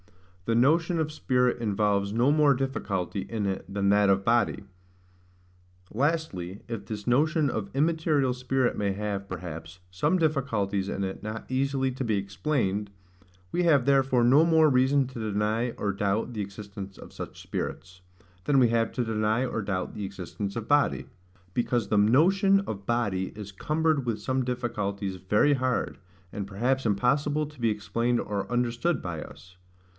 The Notion of Spirit involves no more Difficulty in it than that of Body. Lastly, if this notion of immaterial spirit may have, perhaps, some difficulties in it not easily to be explained, we have therefore no more reason to deny or doubt the existence of such spirits, than we have to deny or doubt the existence of body; because the notion of body is cumbered with some difficulties very hard, and perhaps impossible to be explained or understood by us.